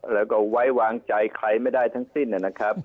แล้วก็ไว้วางใจใครไม่ได้ทั้งสิ้นนะครับ